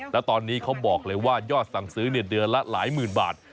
แล้วตอนนี้เขาบอกเลยว่ายอดสั่งซื้อเดือนละหลายหมื่นบาท